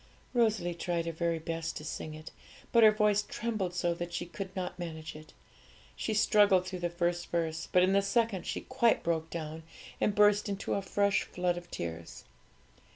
Rosalie tried her very best to sing it, but her voice trembled so that she could not manage it. She struggled through the first verse, but in the second she quite broke down, and burst into a fresh flood of tears.